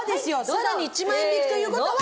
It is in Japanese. さらに１万円引きという事は！